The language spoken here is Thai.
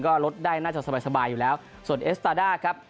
ก็ลดได้น่าจะสบายอยู่แล้วส่วนเอสตาด้าครับ